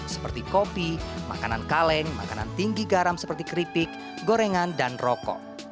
seperti kopi makanan kaleng makanan tinggi garam seperti keripik gorengan dan rokok